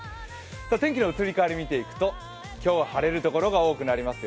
天気の移り変わりを見ていくと、今日は晴れる所が多くなりますよ。